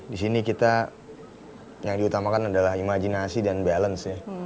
di sini kita yang diutamakan adalah imajinasi dan balance ya